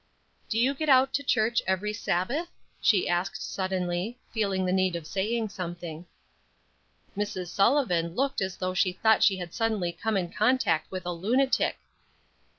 "Do you get out to church every Sabbath?" she asked, suddenly, feeling the need of saying something. Mrs. Sullivan looked as though she thought she had suddenly come in contact with a lunatic.